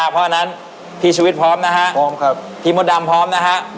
พออนั้นพี่ชวิตพร้อมนะฮะพี่ตี่หลังจิกพยาบาลพร้อมครับ